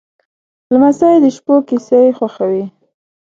لمسی د شپو کیسې خوښوي.